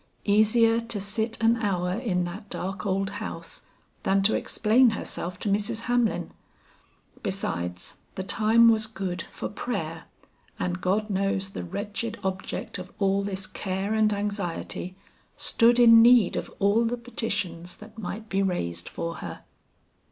Easier to sit an hour in that dark old house, than to explain herself to Mrs. Hamlin. Besides, the time was good for prayer, and God knows the wretched object of all this care and anxiety, stood in need of all the petitions that might be raised for her.